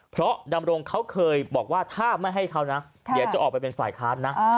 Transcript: เพราะดำรงเขาเคยบอกว่าถ้าไม่ให้เขานะเดี๋ยวจะออกไปเป็นฝ่ายค้านนะ